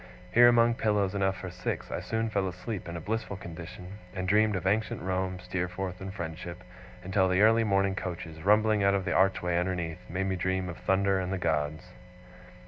Here, among pillows enough for six, I soon fell asleep in a blissful condition, and dreamed of ancient Rome, Steerforth, and friendship, until the early morning coaches, rumbling out of the archway underneath, made me dream of thunder and the gods.